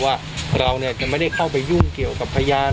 ว่าเราจะไม่ได้เข้าไปยุ่งเกี่ยวกับพยาน